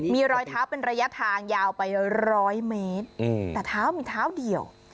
มีรอยเท้าเป็นระยะทางยาวไปร้อยเมตรแต่เท้ามีเท้าเดี่ยว